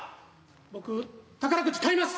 僕宝くじ買います。